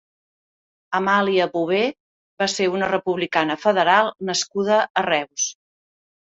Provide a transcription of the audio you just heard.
Amàlia Bové va ser una republicana federal nascuda a Reus.